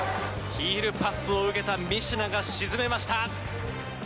ヒールパスを受けた三品が沈めました。